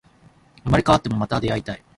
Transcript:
生まれ変わっても、また出会いたい